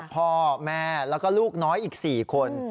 พ่อแม่แล้วก็ลูกน้อยอีก๔คน